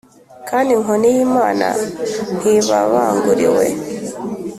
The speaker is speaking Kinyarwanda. kandi inkoni y’imana ntibabanguriwe